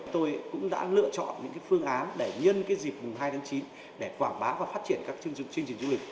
tôi cũng đã lựa chọn những phương án để nhân dịp mùng hai tháng chín để quảng bá và phát triển các chương trình du lịch